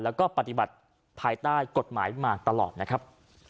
แล้วก็ปฏิบัติภายใต้กฎหมายมาตลอดนะครับ